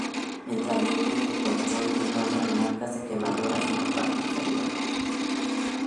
Mientras limpia su colchón, encuentra marcas de quemaduras en la parte inferior.